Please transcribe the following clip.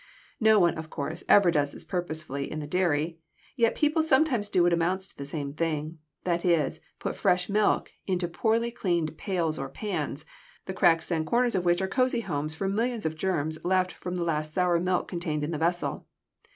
No one, of course, ever does this purposely in the dairy, yet people sometimes do what amounts to the same thing that is, put fresh milk into poorly cleaned pails or pans, the cracks and corners of which are cozy homes for millions of germs left from the last sour milk contained in the vessel.